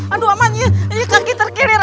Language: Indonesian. aduh amat kaki terkilir